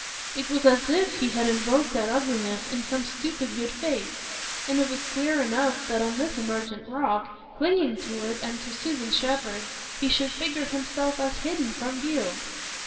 It was as if he had invoked that ugliness in some stupid good faith; and it was queer enough that on his emergent rock, clinging to it and to Susan Shepherd, he should figure himself as hidden from view.